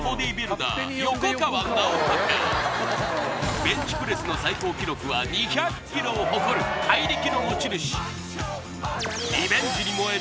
ベンチプレスの最高記録は２００ｋｇを誇る怪力の持ち主リベンジに燃える